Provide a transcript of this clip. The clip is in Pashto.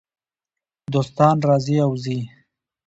دوستان راځي او ځي .